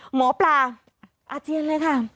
หมอปลาอาเจียนเลยค่ะ